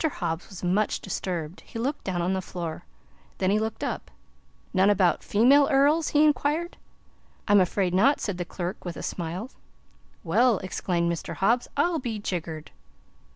Hobbs was much disturbed. He looked down on the floor, then he looked up. "None about female earls?" he inquired. "I'm afraid not," said the clerk with a smile. "Well," exclaimed Mr. Hobbs, "I'll be jiggered!"